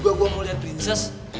eh baru juga gue mau liat prinses